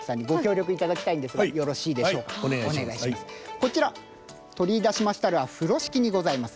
こちら取りいだしましたるは風呂敷にございます。